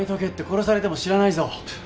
殺されても知らないぞ。